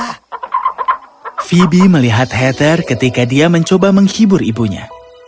hafibi melihat heather ketika dia mencoba menghibur ibunya